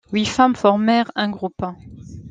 Huit femmes formèrent un groupe.